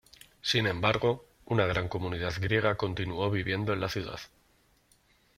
Sin embargo, una gran comunidad griega continuó viviendo en la ciudad.